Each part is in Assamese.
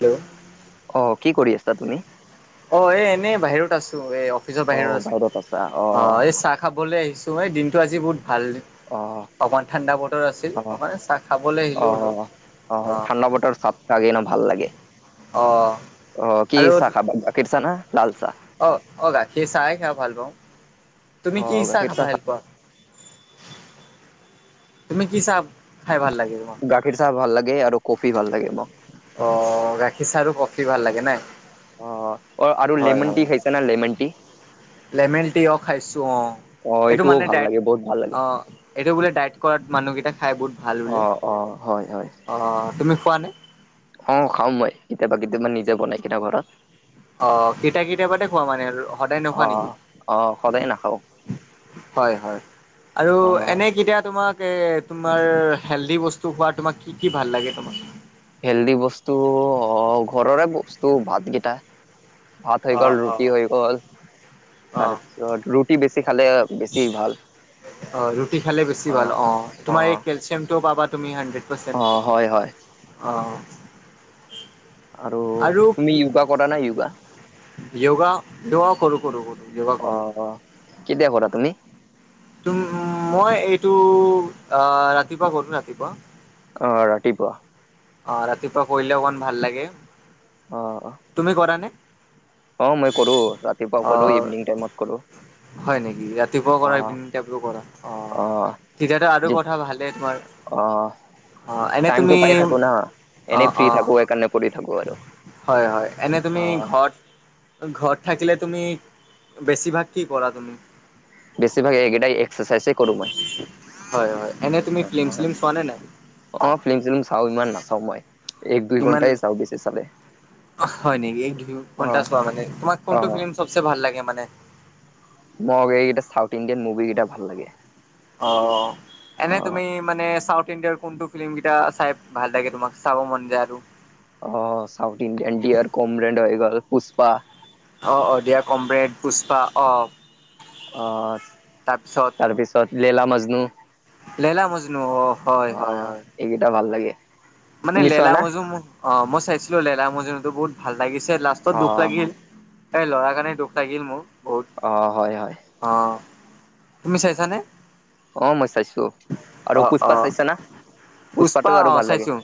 হেল্ল'। অ, কি কৰি আছা তুমি? অ, এ এনে বাহিৰত আছো। এ অফিচৰ বাহিৰত আছো। অ এই চা খাবলে আহিছোঁ। ঐ দিনটো আজি বহুত ভাল। অ। অকমান ঠাণ্ডা বতৰ আছিল। অ অকন চাহ খাবলে আহিলো অলপ। অ। তাক এনেও ভাল লাগে। অ। অ, কি আৰু চাহ খাবা? গাখীৰ চাহ না লাল চাহ? অ, অ গাখীৰ চাই খাই ভাল পাওঁ। অ তুমি কি গাখীৰ চাহ খা ভাল পোৱা? তুমি কি চাহ খাই ভাল লাগে? গাখীৰ চাহ ভাল লাগে আৰু কফি ভাল লাগে মক। অ, গাখীৰ চাহ আৰু কফি ভাল লাগেনে? অ। অ, আৰু লেমন টি খাইছানে লেমন টি? লেমেন টি অ খাইছো অ। অ এইটো এইটোও মানে ভাল দাইট লাগে বহুত ভাল লাগে। অ। এইটো বোলে দাইত কৰাত মানুহকেইটা খাই বহুত ভাল অ বোলে। অ হয় হয় অ, তুমি খোৱানে? অ খাওঁ মই কেতিয়াবা কেতিয়াবা নিজে বনাই কেনে ঘৰত। অ, কেতিয়া কেতিয়া বাতে খোৱা মানে আৰু সদায় নোখোৱা অ। নেকি? অ সদায় নাখাওঁ হয় হয়। আৰু অ। এনে কেতিয়া তোমাক এ তোমাৰ হেল্ডি বস্তু খোৱা তোমাক কি কি ভাল লাগে তোমাক? হেল্ডি বস্তু ঘৰৰে বস্তু ভাতকেইটা। ভাত হৈ গ'ল, অ', ৰুটি অ'। হৈ গ'ল। অ', তাৰেপিছত ৰুটি বেছি খালে বেছি ভাল। অ, ৰুটি খালে বেছি ভাল অ। তোমাৰ এই কেলচিয়ামটোও পাবা তুমি হাণ্ড্ৰেড অ পাৰ্চেণ্ট। হয় হয় অ। আৰু তুমি য়োগা কৰানে য়োগা? য়গা? য়গা, কৰো কৰো কৰো। অ, অ। কেতিয়া কৰা তুমি? তোম মই এইটো অ ৰাতিপুৱা কৰো ৰাতিপুৱা। অ, ৰাতিপুৱা। অ। ৰাতিপুৱা কৰিলে অকমান ভাল লাগে। অহ। তুমি কৰানে? অ, মই কৰো। ৰাতিপুৱা কৰো, অ', ইভিনিং টাইমত কৰো। হয় নেকি? ৰাতিপুৱাও অ কৰা ইভিনিং টাইমটো কৰা। অ, তেতিয়াতো আৰু যে কথা ভালে তোমাৰ। অ, এনে টাইমটো তুমি পাই থাকো না অ এনে ফ্ৰী অ, থাকো সেইকাৰণে কৰি থাকো আৰু হয় হয়। এনে অ তুমি ঘ ঘত ঘৰত থাকিলে তুমি বেছিভাগ কি কৰা তুমি? বেছিভাগ এইগেইটা এক্সাৰচাইজেই কৰো মই। হয় হয়, এনেই তুমি ফ্লিম শ্লিম চোৱা নে নাই? অঁ ফিল্ম শ্লিম চাওঁ ইমান নাচাওঁ মই, এক দুই ইমান ঘণ্টাই চাওঁ বেছি চালে। হয় নেকি? এক দুই অ ঘণ্টা চোৱা মানে, তোমাৰ কোনটো অ ফিল্ম চবচে ভাল লাগে মানে? মো আকৌ এইকেইটা চাউথ ইণ্ডিয়ান মুভি কেইটা ভাল লাগে। অঁ' অ এনেই তুমি মানে চাউথ ইণ্ডিয়াৰ কোনটো ফিল্ম কেইটা চাই ভাল লাগে তোমাক চাব মন যায় আৰু? অঁ' চাউথ ইণ্ডিয়ান ডিয়েৰ কমৰেন্দ হৈ গল পুষ্পা। অ অ' দিয়া কমৰেড পুষ্পা অ'। অঁ' তাপিছত লেলা মজনু অ' হয় হয় হয়। এইগেইটা ভাল লাগে। মানে তুমি চোৱা লেলা না মজুম মোৰ অঁ মই চাইছিলো লেলা মজুম তো বহুত ভাল লাগিছে। লা- ত' অ দুখ লাগিল এই ল'ৰাৰ কাৰণে দুখ লাগিল মোৰ বহুত। অঁ' হয় হয়। অঁ' তুমি চাইছানে? অঁ মই চাইছো, আৰু অ অ পুষ্পা চাইছ না। পুষ্পা পুষ্পাটো আৰু অ ভাল লাগে। চাইছো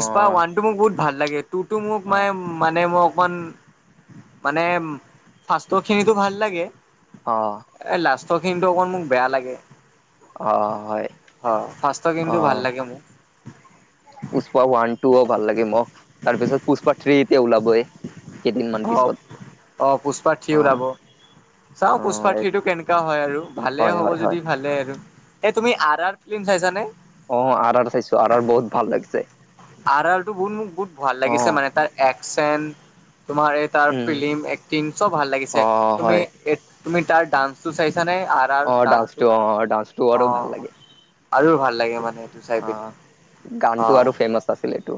অ ওৱানটো মোক বহুত ভাল লাগে, টুটো মোক অ মান মানে মই অকমান- মানে উম ফাষ্টৰ খিনিতো ভাল লাগে। অঁ' এ লাষ্টৰ খিনিতো অকণ মোক বেয়া লাগে। অ হয় হঁ' ফাষ্টৰ অ খিনি টো ভাল লাগে মোৰ। পুষ্পা ওৱান টু অ ভাল লাগে মোক তাৰ পিছত পুষ্পা থ্ৰ্ৰী এতিয়া ওলাবই। কেইদিনমান অঁ পিছত অঁ পুষ্পা ঠি অ ওলাব। চাওঁ অ পুষ্পা ঠিটো কেনকা হয় আৰু, ভালে হয় হ'ব হয় হয় যদি ভালে আৰু। এ তুমি আৰ আৰ ফিল্ম চাইছানে? অঁ আৰ আৰ চাইছো আৰ আৰ বহুত ভাল লাগিছে। আৰাৰ টো বহুত মোক বহুত ভাল লাগিছে অ মানে তাৰ একচন তোমাৰ এই- তাৰ উম ফিল্ম এক্টিং চব ভাল লাগিছে, অ তুমি হয় এ তুমি তাৰ ডান্সটো চাইছা নে? আৰ- তাৰ অ ডান্সটো অ ডান্সটো আৰু অঁ ভাল আৰু ভাল লাগে মানে। এইটো চাই পিনে অঁ গানটো অ'। আৰু ফেমাচ আছিল এইটো,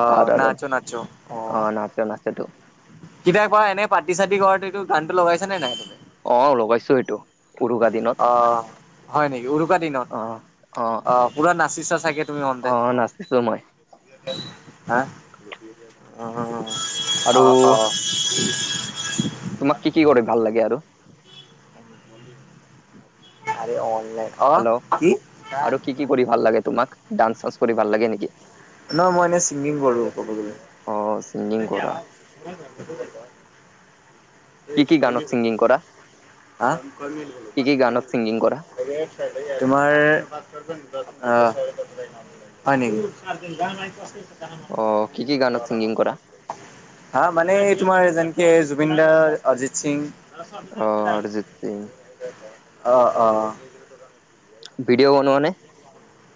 অ' আদাৰৰ নাচো নাচো অঁ ন- তাতে নাচেটো। কেতিয়াবা এনে পাতি চাতি কৰাত এইটো গানটো লগাইছ নে নাই? অঁ লগাইছো এইটো উৰুকা দিনত। অ' হয় নেকি? উৰুকা দিনত, অ অ অহ পুৰা নাচিছা চাগে তুমি অ অনতে। নাচিছো মই হেঁ অঁ অঁ' আৰু অ অ' তোমাক কি কি কৰি ভাল লাগে আৰু? আৰে অনলাইন- অ হেল্লৌ' কি আৰু কি কি কৰি ভাল লাগে তোমাৰ? ডান্স চানস কৰি ভাল লাগে নেকি? নহয় মই এনেই ছিংগিং কৰোঁ, ক'ব গ'লে। অ ছিংগিং কৰা কি কি গানত ছিংগিং কৰা [unintelligible] হাঁ' কি কি গানত ছিংগিং কৰা তোমাৰ আঁ হয় নেকি? অ কি কি গানত ছিংগিং কৰা [unintelligible] হা মানে তোমাৰ যেনেকে জুবিন দা অৰ্জিত সিং অ অৰিজিত সিং অ অ। ভিডিঅ' বনোৱা নে?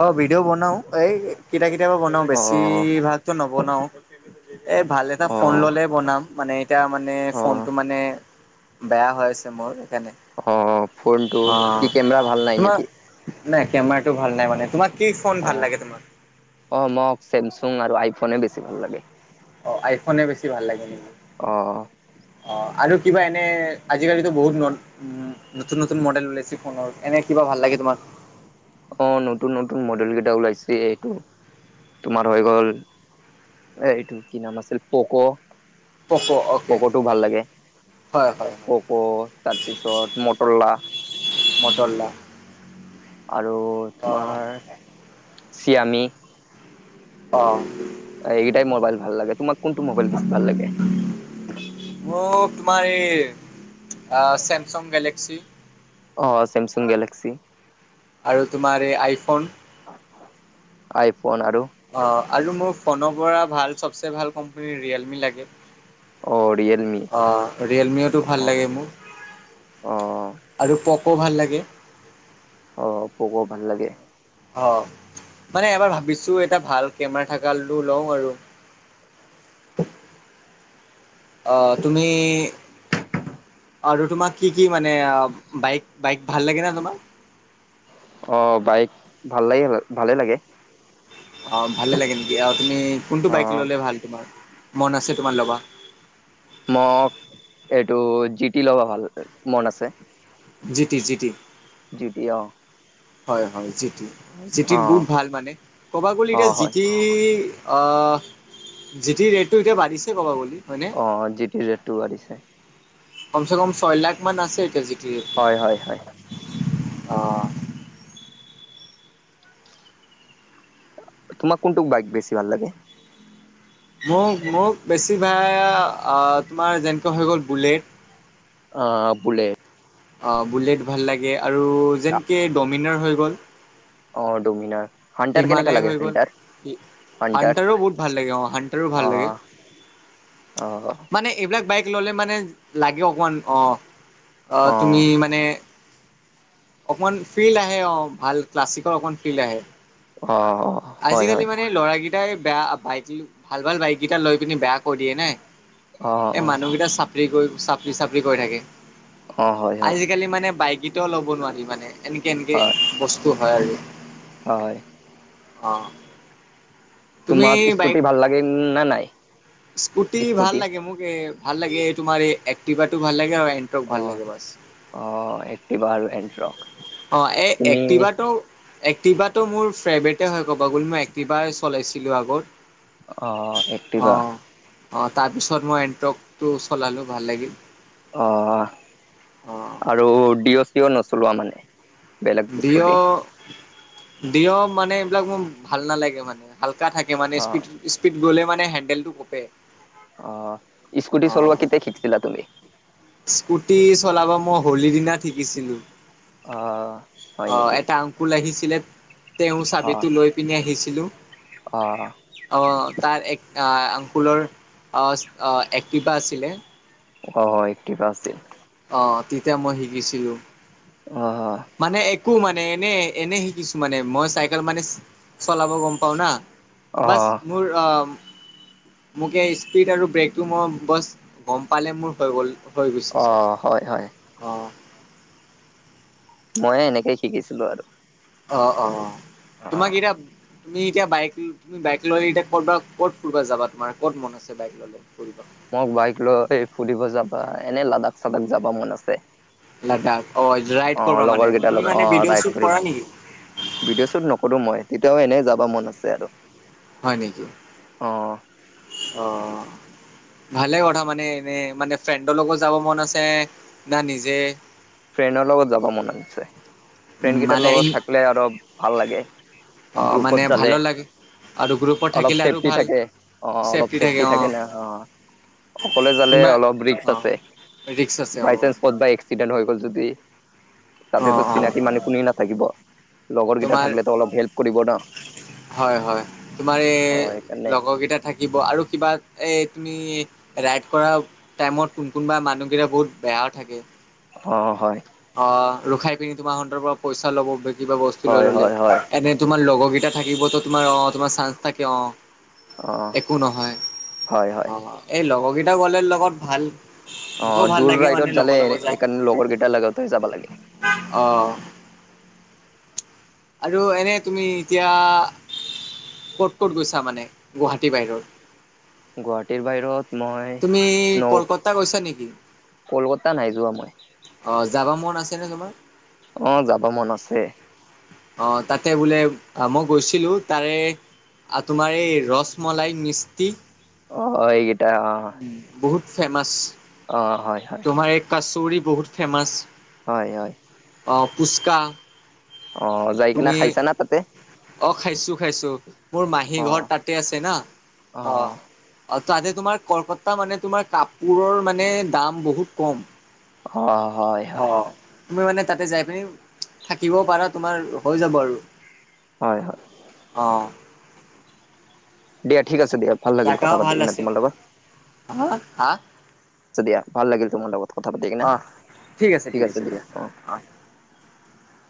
অ ভিডিঅ' বনাও, এই কেতিয়াবা কেতিয়াবা বনাও অ বেছি ভাগতো নবনাও। এ ভাল এটা অ ফোন ললে বনাম। মানে এতিয়া মানে অ ফোনটো মানে বেয়া হৈ আছে মোৰ সেইকাৰণে। অ ফোনটো কি অ' কেমেৰা ভাল নাই তোমাৰ নেকি? নাই কেমেৰাটো ভাল নাই মানে, তোমাক কি ফোন ভাল অ', লাগে তোমাৰ? অ মোক ছেমছাং আৰু আইফোনে বেছি ভাল লাগে। অ আইফোনে বেছি ভাল লাগে নেকি? অ। অ আৰু কিবা এনে আজিকালিতো বহুত ন উম নতুন নতুন মডেল ওলাইছে ফোনৰ এনে কিবা ভাল লাগে তোমাক? অঁ নতুন নতুন মডেল কেইটা ওলাইছে এইটো তোমাৰ হৈ গ'ল এইটো কি নাম আছিল প'ক' প'ক' অ'কে প'ক'টো ভাল লাগে হয় হয় হয় প'ক' তাৰপিছত মটৰলা। মটৰলা আৰু অ' তোমাৰ চিয়ামি অহ। এইকেটাই মোবাইল ভাল লাগে। তোমাৰ কোনটো মোবাইল বেছি ভাল লাগে? মোক তোমাৰ এই ছেমছাং গেলেক্সি। অ ছেমছাং গেলেক্সি। আৰু তোমাৰ এই আইফোন। আইফোন আৰু অ আৰু মোৰ ফোনৰ পৰা ভাল চবচে ভাল কোম্পানী ৰিয়েলমি লাগে। অ', ৰিয়েলমি অঁ ৰিয়েলমিটো ভাল অ', লাগে মোৰ। অ', আৰু পক' ভাল লাগে। অ পক' ভাল লাগে। অ মানে এবাৰ ভাবিছোঁ এটা ভাল কেমেৰা থাকা লৈ লওঁ আৰু। অ তুমি আৰু তোমাক কি কি মানে বাইক, বাইক ভাল লাগে নে তোমাৰ? অ বাইক ভাল লাগে ভালে লাগে। অ ভালে লাগে নেকি তুমি কোনটো বাইক অ' ল'লে ভাল তোমাৰ মন আছে তোমাৰ ল'বা? মোক এইটো জিটি ল'বা ভাল মন আছে। GT GT. জিটি অঁ। হয় হয় জিটি জিটিৰ অ' বহুত ভাল মানে কবা গ'লে এতিয়া অ' জি হয় টি অহ জিটি ৰেটটো এতিয়া বাঢ়িছে কব গলে হয় নে? অঁ জিটি ৰে'টটোও বাঢ়িছে। কমছে কম ছয় লাখ মান আছে এতিয়া জিটি হয় হয় হয়। অ তোমাক কোনটোক বাইক বেছি ভাল লাগে? মোক মোক বেছি ভাল তোমাৰ যেনেকৈ হৈ গ'ল বুলেট। আ বুলেট বুলেট ভাল লাগে আৰু যেনকে ডমিনাৰ হৈ গ'ল। অ' ডমিনাৰ। হান্টাৰ কেনেকা হিমালেয় লাগে হৈ গ'ল, হান্টাৰ হান্টাৰ হাণ্টাৰো বহুত ভাল লাগে অ' হাণ্টাৰো ভাল লাগে। অ' অ' মানে এইবিলাক বাইক [unintelligible] লাগে অকমান অ', অ' তুমি মানে অকমান ফিল্ড আহে অঁ ভাল ক্লাছিক অকমান ফিল্ড আহে। অহহ'। আজিকালি মানে ল'ৰা কেটাই বেয়া বাইক ভাল ভাল বাইক কেইটা লৈ পিনে বেয়া কৰি দিয়ে নাই। অ' এ অ' মানুহ কিটা চাপৰি কৰি চাপৰি চাপৰি কৈ থাকে। অ' হয় হয় আজিকালি মানে বাইকেইটাও ল'ব নোৱাৰি, মানে এনেকে এনেকে বস্তু হয় আৰু। অয়। অঁ। তোমাক স্কুটি ভাল লাগে নে নাই? স্কুটি ভাল লাগে মোক এ ভাল লাগে এই তোমাৰ এক্টিভাটো ভাল লাগে আৰু এন্ত্ৰক ভাল অ' লাগে বাচ, অ' এক্টিভা আৰু এণ্ট্ৰক অ' এই তুমি এক্টিভাটো এক্টিভাটো মোৰ ফেভৰেটে হয় ক'বা গ'ল মই এক্টিভাই চলাইছিলো আগত। অ' একটিভা? অঁ তাৰপিছত মই এণ্ট্ৰকটো চলালো, ভাল লাগিল। অ' আৰু ডিঅ' চি'অ নচলোৱা মানে? বেলেগ ডিঅ' স্কুটি ডিঅ' মানে এইবিলাক মোৰ ভাল নালাগে, মানে হালকা থাকে। অ [unintelligible] স্পীড স্পীড গ'লে মানে হেণ্ডেলটো কপে। অ' স্কুটি চলোৱা কেতিয়া শিকিছিলা তুমি? স্কুটি চলাব মই হোলীৰ দিনাত শিকিছিলো অ হয় অ' নেকি এটা আন স্কুল আহিছিলে তেওঁ অ চাবিটো লৈ পিনে আহিছিলোঁ। অ'। অঁ, তাৰ এক আংকুলৰ এক্টিভা আছিলে। অ' এক্টিভা আছিল। অঁ তেতিয়া মই শিকিছিলোঁ। অ' হয়। মানে একো মানে এনে, এনে শিকিছো মানে মই চাইকেল মানে চলাব গম পাওঁ না, অ বাচ মোৰ আ মোক এই স্পীড আৰু ব্ৰেকটো মই বচ গম পালে মোৰ হৈ গ'ল। হৈ গৈছে অ চব। হয় হয় অঁ! মই এনেকে শিকিছিলো আৰু। অ' অ' অ তোমাক [unintelligible] তুমি এতিয়া বাইক তুমি বাইক লৈ এতি ক'বাত কত ফুৰবা যাবা, তোমাৰ ক'ত মন আছে বাইক লৈ? মোক বাইক লৈ ফুৰিবা যাবা এনে লাডাখ-চাডখ যাবা মন আছে। লাডাখ অ' ৰাইড অ কৰবা লগৰ মানে, কেইটাৰ তুমি লগত অ মানে ভিডিঅ' ৰাইড শ্বুট কৰি কৰা নেকি? ভিডিঅ' শ্বুট নকৰোঁ মই, তেতিয়াও এনেই যাব মন আছে আৰু। হয় নেকি? অ অ'। ভালে কথা মানে এনে মানে ফ্ৰেণ্ডৰ লগত যাব মন আছে না নিজে? ফ্ৰেণ্ডৰ লগত যাব মন আছে, ফ্ৰেণ্ড কেইটাৰ মানে লগত থাকলে আৰু ভাল লাগে। অ' গ্ৰুপত মানে যালে ভালো লাগে। আৰু গ্ৰুপত অলপ থাকিলে আৰু চেফটি ভাল থাকে অ' অলপ চেফটি থাকে না অ'। অকলে জালে কোনোবা অলপ ৰিক্স অ'। আছে, ৰিক্স আছে অ', বাইচাঞ্চ ক'তবা এক এক্সিডেণ্টত হৈ গ'ল যদি তাতেতো অ', অ', চিনাকি মানুহ কোনোৱে নাথাকিব। লগৰ কেইটা তোমাৰ থাকিলেতো অলপ হেল্প কৰিব ন হয়, হয়, তোমাৰ অ এই সেইকাৰণে লগৰকেইটাত থাকিব, আৰু কিবা এই তুমি ৰাইড কৰা টাইমত কোন কোনোবা মানুহগিতা বহুত বেয়াও থাকে। অ', হয়। অ', ৰখাই পিনি তোমাৰাহতৰ পৰা পইচা ল'ব কিবা বস্তু লৈ হয় ল'লে। হয় হয় এনে তোমাৰ লগৰ কেইটা থাকিবতো তোমাৰ অ', তোমাৰ চান্স থাকে অ'। অ একো নহয়, হয় হয় অ', এই লগৰকেইটা গ'লে লগত ভাল। মোকো অ', ভাল দূৰ লাগে মানে ৰাইডত যালে, লগৰ লগত যায় এইকাৰণে লগৰ কেইটা লগত যাবা লাগে। অ'। আৰু এনেই তুমি এতিয়া ক'ত ক'ত গৈছা মানে গুৱাহাটী বাহিৰত? গুৱাহাটীৰ বাহিৰত মই তুমি ন কলকাতা গৈছা নেকি কলকতা নাই যোৱা মই। অ', যাবা মন আছেনে তোমাৰ? অ', যাব মন আছে। অ', তাতে বোলে মই গৈছিলো। তাৰে আৰু তোমাৰ এই ৰসমলাই মিস্তি। অ', এইকিটা অ'। বহুত ফেমাচ। অ', হয়, হয়। কাছৌৰি বহুত ফেমাছ। হয়, হয়। অ', ফুচকা। অ', যাই কিনা খাইছা না' তাতে? অ', খাইছো খাইছো মোৰ মাহী অ ঘৰ তাতে আছে না অ'। অ', তাতে তোমাৰ কলকতা মানে তোমাৰ কাপোৰৰ মানে দাম বহুত কম। অ', হয়, হ হয়। তুমি মানে তাতে যাই পিনি থাকিবও পাৰা তোমাৰ হৈ যাব আৰু। হয়, হয়। অ'। দিয়া ঠিক আছে দিয়ক। জাগাও ভাল আছে। হা'? আচ্ছ দিয়া ভাল লাগিল তোমাৰ লগত কথা পাতি কেনে অ ঠিক আছে দিয়া অ'।